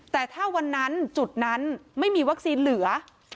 แต่ถ้าวันนั้นจุดนั้นไม่มีวัคซีนเหลือ